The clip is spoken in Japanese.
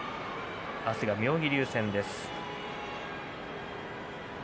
明日は妙義龍戦です。